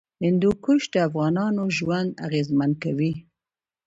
هندوکش د افغانانو ژوند اغېزمن کوي.